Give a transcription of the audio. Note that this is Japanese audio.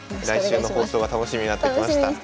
来週の放送が楽しみになってきました。